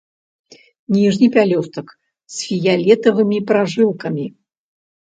Ніжні пялёстак з фіялетавымі пражылкамі.